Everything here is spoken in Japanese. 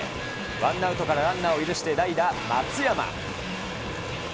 ワンアウトからランナーを許して代打、松山。